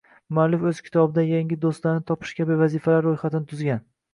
Muallif o‘z kitobida yangi do‘stlarni topish kabi vazifalar ro‘yxatini tuzgan